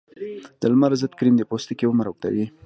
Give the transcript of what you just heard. د لمر ضد کریم د پوستکي عمر اوږدوي.